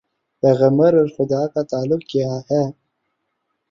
پیغمبر اور خدا کا تعلق کیا ہے؟